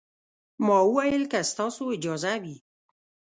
ما وويل که ستاسو اجازه وي.